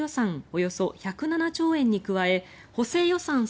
およそ１０７兆円に加え補正予算